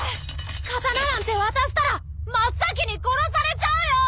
刀なんて渡したら真っ先に殺されちゃうよ！